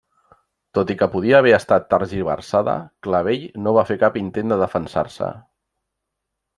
Tot i que podia haver estat tergiversada, Clavell no va fer cap intent de defensar-se.